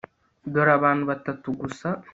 dore abantu batatu gusa